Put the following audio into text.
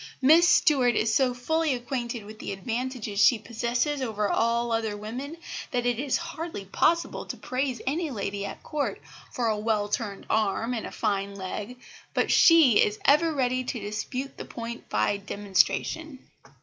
Miss Stuart is so fully acquainted with the advantages she possesses over all other women, that it is hardly possible to praise any lady at Court for a well turned arm and a fine leg, but she is ever ready to dispute the point by demonstration.